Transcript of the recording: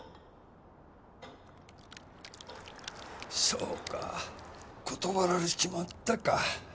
そうか断られちまったか。